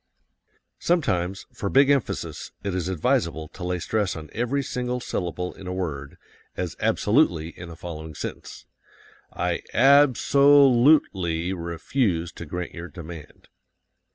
Sometimes, for big emphasis, it is advisable to lay stress on every single syllable in a word, as absolutely in the following sentence: I ab so lute ly refuse to grant your demand.